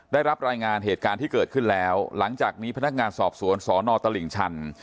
ได้รับรายงานเหตุการณ์ที่เกิดขึ้นแล้วหลังจากนี้พนักงานสอบสวนสนตลิ่งชัน